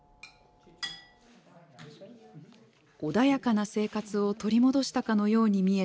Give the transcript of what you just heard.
穏やかな生活を取り戻したかのように見えた２人。